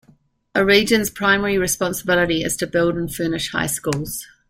A region's primary responsibility is to build and furnish high schools.